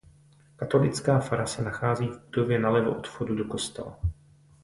Katolická fara se nachází v budově nalevo od vchodu do kostela.